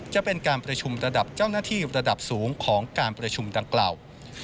จะเป็นการประชุมระดับเจ้าหน้าที่ระดับสูงของการประชุมดังกล่าว